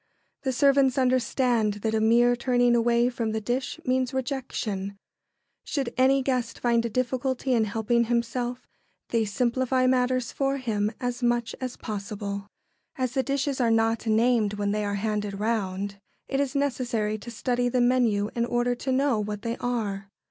The servants understand that a mere turning away from the dish means rejection. Should any guest find a difficulty in helping himself, they simplify matters for him as much as possible. [Sidenote: Studying the menu.] As the dishes are not named when they are handed round, it is necessary to study the menu in order to know what they are.